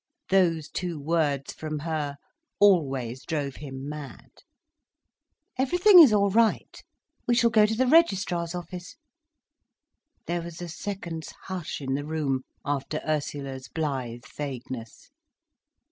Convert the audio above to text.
Those two words, from her, always drove him mad. "Everything is all right—we shall go to the registrar's office—" There was a second's hush in the room, after Ursula's blithe vagueness.